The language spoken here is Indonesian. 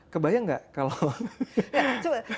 kebayang nggak kalau